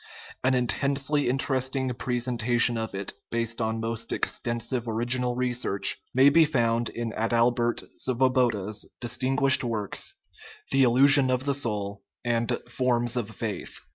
An intensely interesting presentation of it, based on most extensive original research, may be found in Adalbert Svoboda's distinguished works, The Illusion of the Soul and Forms of Faith.